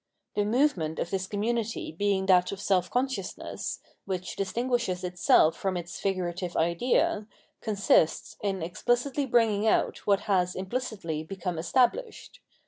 The movement of this community being that of self consciousness, which distinguishes itself from its figurative idea, consists in exphcitly bringing out what has imphcitly become estabhshed.